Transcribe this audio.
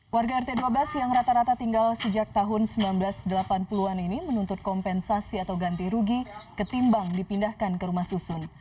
warga rt dua belas yang rata rata tinggal sejak tahun seribu sembilan ratus delapan puluh an ini menuntut kompensasi atau ganti rugi ketimbang dipindahkan ke rumah susun